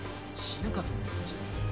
死ぬかと思いました。